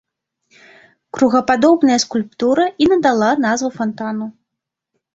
Кругападобная скульптура і надала назву фантану.